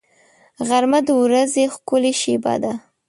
غرمه د ورځې ښکلې شېبه ده